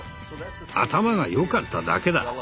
頭が良かっただけだ。